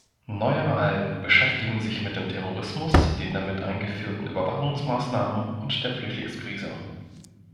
Neuere Alben beschäftigen sich mit dem Terrorismus, den damit eingeführten Überwachungsmaßnahmen und der Flüchtlingskrise.